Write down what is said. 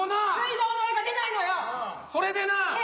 それでなぁ。